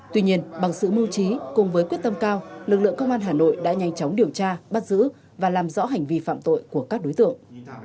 tuy nhiên bằng sự mưu trí cùng với quyết tâm cao lực lượng công an hà nội đã nhanh chóng điều tra bắt giữ và làm rõ hành vi phạm tội của các đối tượng